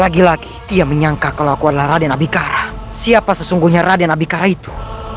lagi lagi dia menyangka kalau aku adalah raden abikara siapa sesungguhnya raden abikara itu